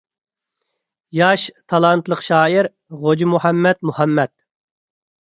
ياش، تالانتلىق شائىر غوجىمۇھەممەد مۇھەممەد